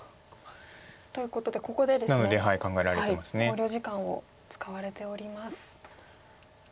考慮時間を使われております。